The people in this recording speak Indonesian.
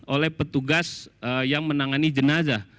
oleh petugas yang menangani jenazah